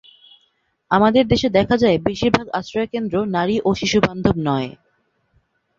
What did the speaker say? আমাদের দেশে দেখা যায়, বেশির ভাগ আশ্রয়কেন্দ্র নারী ও শিশুবান্ধব নয়।